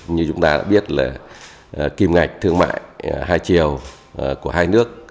như chúng ta đã biết là kim ngạch thương mại hai chiều của hai nước